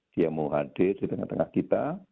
dia mau hadir di tengah tengah kita